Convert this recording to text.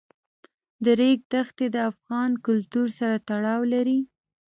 د ریګ دښتې د افغان کلتور سره تړاو لري.